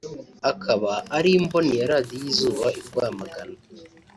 akaba ari imboni ya Radio Izuba i Rwamagana